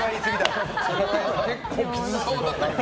結構きつそうだったけど。